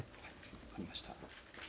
分かりました。